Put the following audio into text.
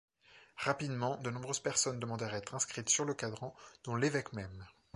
Rapidement, de nombreuses personnes demandèrent à être inscrites sur le cadran, dont l'évêque même.